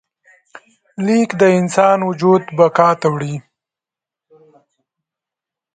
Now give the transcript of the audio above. لیک د انسان وجود بقا ته وړي.